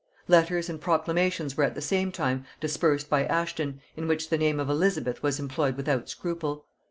Letters and proclamations were at the same time dispersed by Ashton, in which the name of Elizabeth was employed without scruple.